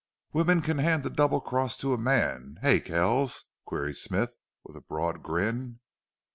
"Wimmen can hand the double cross to a man, hey, Kells?" queried Smith, with a broad grin.